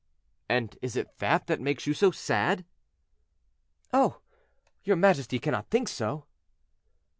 "And is it that that makes you so sad?" "Oh! your majesty cannot think so?"